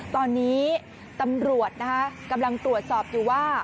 ตอนนี้ตำรวจกำลังตรวจสอบอยู่ว่า